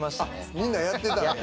みんなやってたんや。